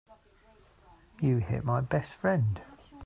You hit my best friend.